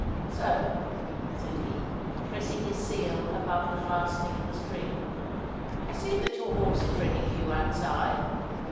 'So,' said he, pressing his seal above the fastening of the string, 'I see that your horse is ready for you outside.